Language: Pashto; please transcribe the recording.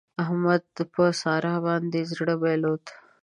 احمد په سارا باندې زړه بايلود.